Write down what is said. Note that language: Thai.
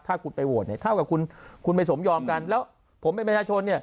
ถ้าคุณไปโหวตเนี่ยเท่ากับคุณไปสมยอมกันแล้วผมเป็นประชาชนเนี่ย